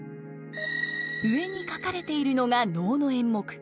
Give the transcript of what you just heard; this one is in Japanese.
上に書かれているのが能の演目。